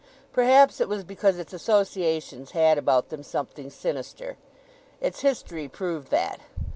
Perhaps it was because its associations had about them something sinister. Its history proved that.